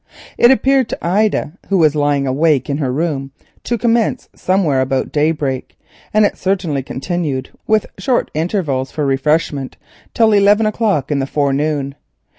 It appeared to Ida, who was lying awake in her room, to commence somewhere about daybreak, and it certainly continued with short intervals for refreshment till eleven o'clock in the forenoon.